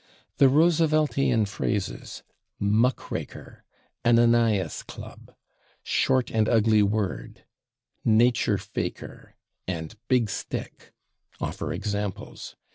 The Rooseveltian phrases, /muck raker/, /Ananias Club/, /short and ugly word/, /nature faker/ and /big stick/, offer examples.